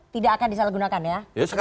tidak akan disalahgunakan ya